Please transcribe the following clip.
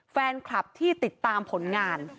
แฟนคลับที่ติดตามผลงาน